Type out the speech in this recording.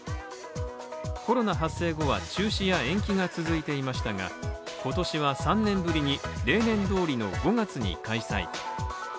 コロナ発生後は中止や延期が続いていましたが、今年は３年ぶりに例年通りの５月に開催。